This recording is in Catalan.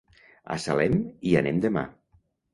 A Salem hi anem demà.